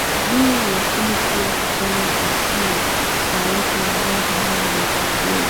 di lakini pia kufanya kusiwe na watu ambao hawana majukumu